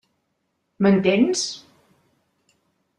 M'entens?